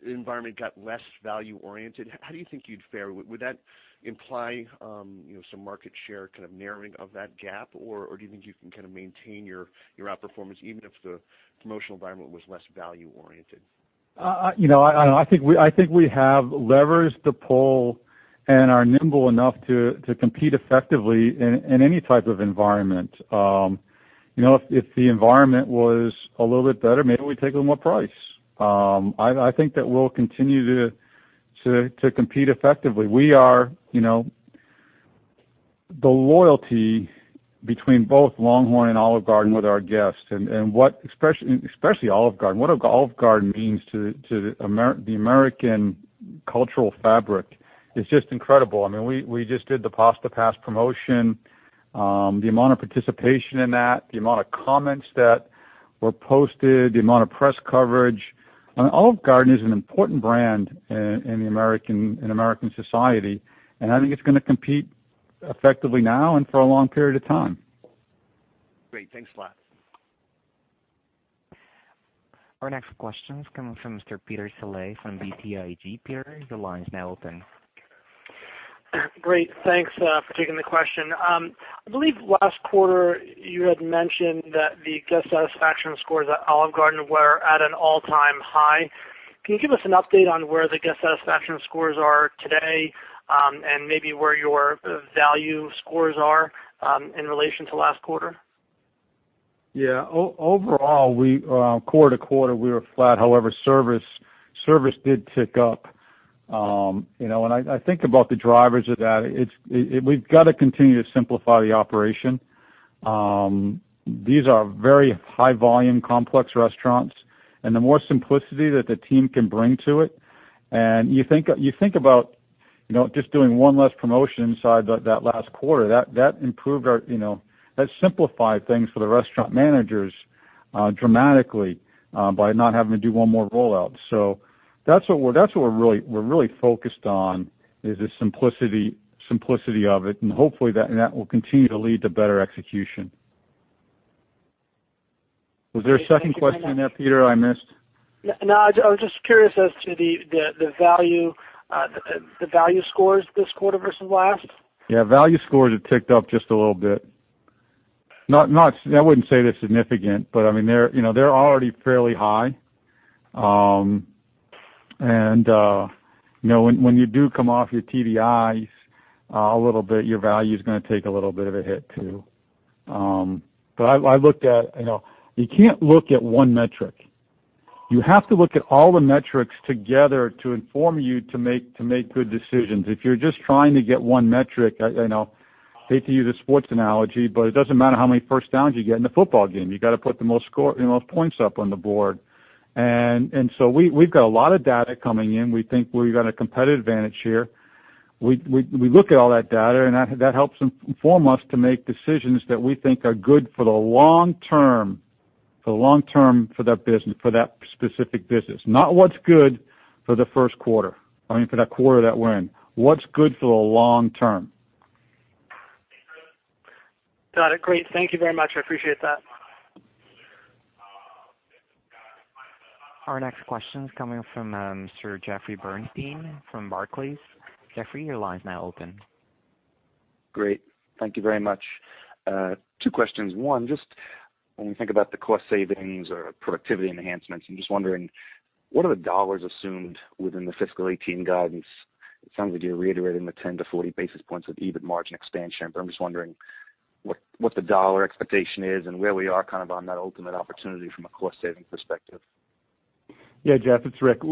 environment got less value-oriented, how do you think you'd fare? Would that imply some market share kind of narrowing of that gap, or do you think you can kind of maintain your outperformance even if the promotional environment was less value-oriented? I think we have levers to pull and are nimble enough to compete effectively in any type of environment. If the environment was a little bit better, maybe we take a little more price. I think that we'll continue to compete effectively. The loyalty between both LongHorn and Olive Garden with our guests, and especially Olive Garden. What Olive Garden means to the American cultural fabric is just incredible. We just did the Pasta Pass promotion. The amount of participation in that, the amount of comments that were posted, the amount of press coverage. Olive Garden is an important brand in American society, I think it's going to compete effectively now and for a long period of time. Great. Thanks a lot. Our next question is coming from Mr. Peter Saleh from BTIG. Peter, your line is now open. Great. Thanks for taking the question. I believe last quarter you had mentioned that the guest satisfaction scores at Olive Garden were at an all-time high. Can you give us an update on where the guest satisfaction scores are today, and maybe where your value scores are in relation to last quarter? Yeah. Overall, quarter-to-quarter, we were flat. However, service did tick up. I think about the drivers of that. We've got to continue to simplify the operation. These are very high-volume, complex restaurants, and the more simplicity that the team can bring to it. You think about just doing one less promotion inside that last quarter. That simplified things for the restaurant managers dramatically by not having to do one more rollout. That's what we're really focused on, is the simplicity of it, and hopefully, that will continue to lead to better execution. Was there a second question in there, Peter, I missed? No, I was just curious as to the value scores this quarter versus last. Yeah, value scores have ticked up just a little bit. I wouldn't say they're significant, but they're already fairly high. When you do come off your TDIs a little bit, your value's going to take a little bit of a hit, too. You can't look at one metric. You have to look at all the metrics together to inform you to make good decisions. If you're just trying to get one metric, I hate to use a sports analogy, but it doesn't matter how many first downs you get in a football game. You got to put the most points up on the board. We've got a lot of data coming in. We think we've got a competitive advantage here. We look at all that data and that helps inform us to make decisions that we think are good for the long term, for that specific business. Not what's good for the first quarter, I mean, for that quarter that we're in. What's good for the long term. Got it. Great. Thank you very much. I appreciate that. Our next question's coming from Jeffrey Bernstein from Barclays. Jeffrey, your line's now open. Great. Thank you very much. Two questions. One, just when we think about the cost savings or productivity enhancements, I'm just wondering, what are the dollars assumed within the fiscal 2018 guidance? It sounds like you're reiterating the 10-40 basis points of EBIT margin expansion. I'm just wondering what the dollar expectation is and where we are kind of on that ultimate opportunity from a cost savings perspective. Yeah, Jeff, it's Rick.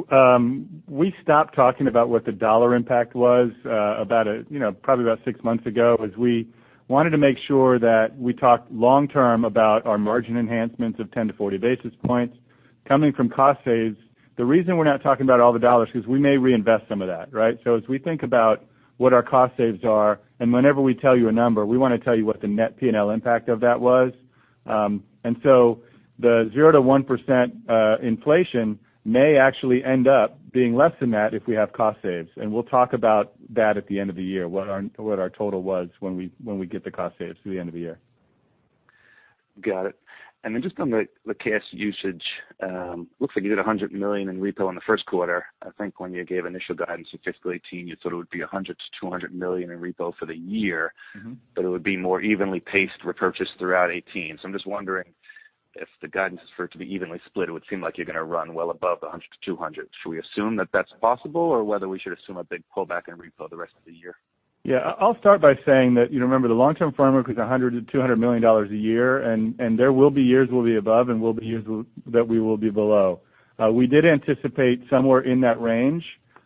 We stopped talking about what the dollar impact was probably about six months ago as we wanted to make sure that we talked long term about our margin enhancements of 10-40 basis points coming from cost saves. The reason we're not talking about all the dollars is because we may reinvest some of that, right? As we think about what our cost saves are, and whenever we tell you a number, we want to tell you what the net P&L impact of that was. The 0%-1% inflation may actually end up being less than that if we have cost saves. We'll talk about that at the end of the year, what our total was when we get the cost saves through the end of the year. Got it. Just on the cash usage. Looks like you did $100 million in repo in the first quarter. I think when you gave initial guidance for fiscal 2018, you thought it would be $100 million-$200 million in repo for the year- It would be more evenly paced repurchase throughout 2018. I'm just wondering if the guidance is for it to be evenly split, it would seem like you're going to run well above the $100 million-$200 million. Should we assume that that's possible or whether we should assume a big pullback in repo the rest of the year? Yeah. I'll start by saying that, remember the long-term framework is $100 million to $200 million a year and there will be years we'll be above and will be years that we will be below. We did anticipate somewhere in that range.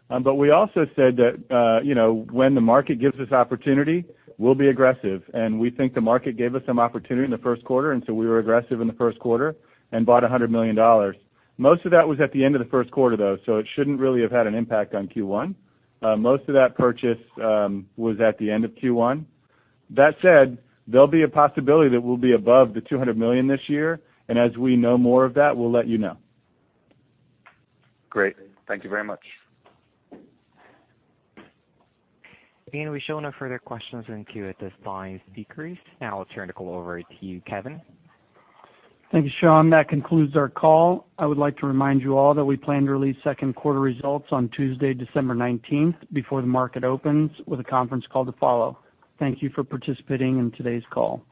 We also said that when the market gives us opportunity, we'll be aggressive and we think the market gave us some opportunity in the first quarter and so we were aggressive in the first quarter and bought $100 million. Most of that was at the end of the first quarter though, so it shouldn't really have had an impact on Q1. Most of that purchase was at the end of Q1. That said, there'll be a possibility that we'll be above the $200 million this year and as we know more of that, we'll let you know. Great. Thank you very much. Again, we show no further questions in queue at this time, speakers. Now I'll turn the call over to you, Kevin. Thank you, Shawn. That concludes our call. I would like to remind you all that we plan to release second quarter results on Tuesday, December 19th before the market opens with a conference call to follow. Thank you for participating in today's call.